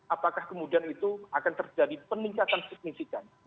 apakah kemudian itu akan terjadi peningkatan signifikan